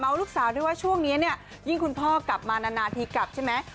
ลูกสาวด้วยว่าช่วงนี้เนี่ยยิ่งคุณพ่อกลับมานานทีกลับใช่ไหม